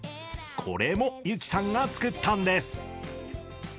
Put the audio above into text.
これも由季さんが作ったんです